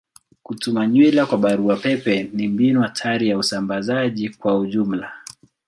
Kutuma nywila kwa barua pepe ni mbinu hatari ya usambazaji kwa ujumla.